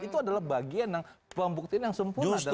itu adalah bagian pembuktian yang sempurna dalam proses pidana